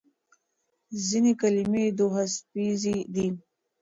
ځینې کلمې دوهڅپیزې دي.